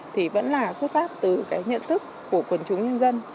thì vẫn là xuất phát từ cái nhận thức của quần chúng nhân dân